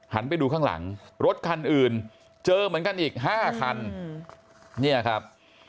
ไปดูข้างหลังรถคันอื่นเจอเหมือนกันอีกห้าคันเนี่ยครับ